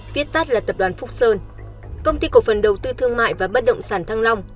viết tắt là tập đoàn phúc sơn công ty cổ phần đầu tư thương mại và bất động sản thăng long